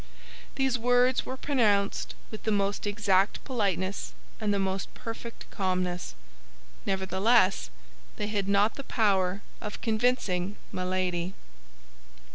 These words were pronounced with the most exact politeness and the most perfect calmness. Nevertheless, they had not the power of convincing Milady.